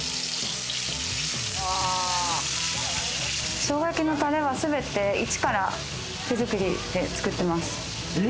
生姜焼きのタレはすべてイチから手づくりで作ってます。